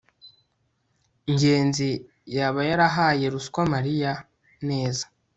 ngenzi yaba yarahaye ruswa mariya? neza